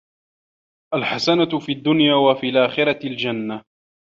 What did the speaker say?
الْحَسَنَةُ فِي الدُّنْيَا وَفِي الْآخِرَةِ الْجَنَّةُ